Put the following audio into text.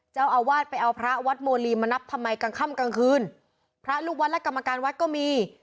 เจ้าอาวาสไปเอาพระวัดโมลีมานับทำไมกลางค่ำกลางคืนพระลูกวัดและกรรมการวัดก็มี